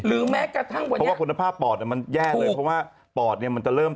หรือแม้กระทั่งวันนี้